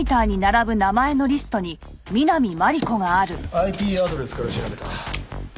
ＩＰアドレスから調べた。